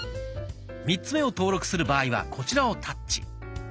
３つ目を登録する場合はこちらをタッチ。